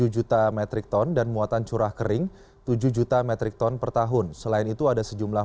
juta metrikton dan muatan curah kering tujuh juta metrikton per tahun selain itu ada sejumlah